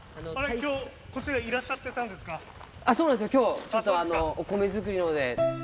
きょうはこちらにいらっしゃそうですね、きょう、ちょっとお米作りのほうで。